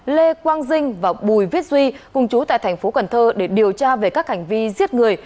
lê quang dinh và bùi viết duy cùng chú tại tp hcm để điều tra về các hành vi giết người